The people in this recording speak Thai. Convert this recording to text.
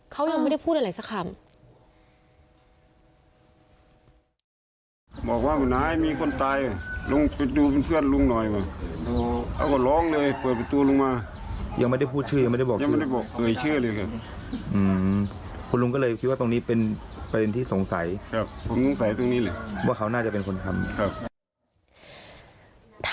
เขายังไม่ได้พูดอะไรสักคำ